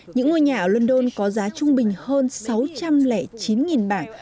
những ngôi nhà ở london có giá trung bình hơn sáu trăm linh chín bảng